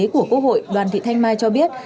của quốc hội đoàn thị thanh mai cho biết